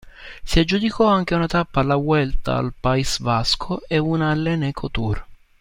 Si aggiudicò anche una tappa alla Vuelta al País Vasco e una all'Eneco Tour.